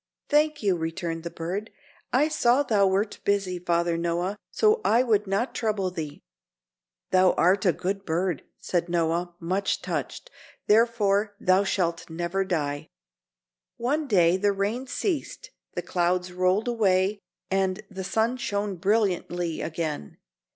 "Thank you," returned the bird. "I saw thou wert busy, Father Noah, so I would not trouble thee." "Thou art a good bird," said Noah, much touched, "therefore thou shalt never die." One day the rain ceased, the clouds rolled away and the sun shone brilliantly again.